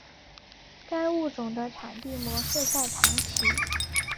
该物种的模式产地在长崎。